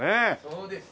そうです。